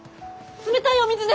冷たいお水だ！